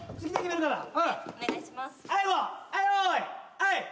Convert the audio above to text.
はい。